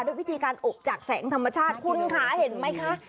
ด้วยวิธีการอบจากแสงธรรมชาติคุณค่ะเห็นไหมคะ